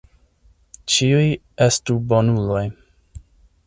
Ĉiuj estu bonuloj.